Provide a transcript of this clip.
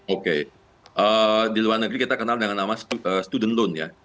oke di luar negeri kita kenal dengan nama student loan ya